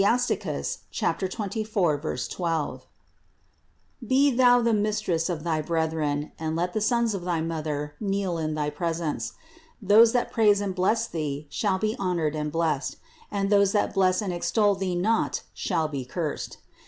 24, 12) ; be Thou the Mistress of thy brethren, and let the sons of thy mother kneel in thy presence. Those that praise and bless Thee shall be honored and blessed; and those that bless and extol Thee not shall be cursed.